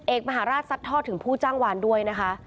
เอกมหาราชซัดทอดถึงผู้จ้างวานด้วยนะคะ